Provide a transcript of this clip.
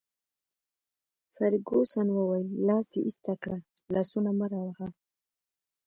فرګوسن وویل: لاس دي ایسته کړه، لاسونه مه راوهه.